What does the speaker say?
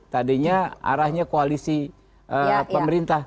tadinya arahnya koalisi pemerintah